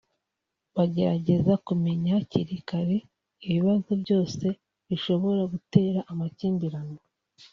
bagerageza kumenya hakiri kare ibibazo byose bishobora gutera amakimbirane